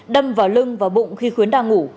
đâm vào lưng và bụng khi khuyến đang ngủ